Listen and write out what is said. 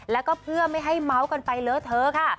แล้วก็เพื่อไม่ให้เมาส์กันไปเลอะเทอะค่ะ